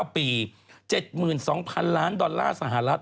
๕ปี๗๒๐๐๐ล้านดอลลาร์สหรัฐ